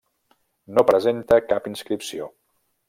No presenta cap inscripció.